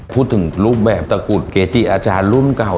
พูดถึงรูปแบบตระกูลเกจิอาจารย์รุ่นเก่า